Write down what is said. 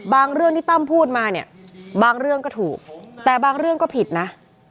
เรื่องที่ตั้มพูดมาเนี่ยบางเรื่องก็ถูกแต่บางเรื่องก็ผิดนะ